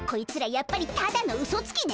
やっぱりただのうそつきね！